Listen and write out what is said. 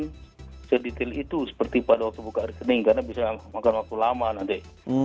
jadi itu bisa kita lihat sedetail itu seperti pada waktu buka rekening karena bisa memakan waktu lama nanti